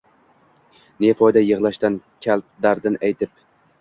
Ne foyda yig’lashdan kalb dardin aytib.